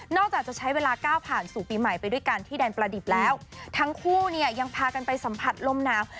จะใช้เวลาก้าวผ่านสู่ปีใหม่ไปด้วยกันที่แดนประดิษฐ์แล้วทั้งคู่เนี่ยยังพากันไปสัมผัสลมหนาว